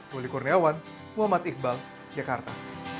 ruli kurniawan muhammad iqbal jakarta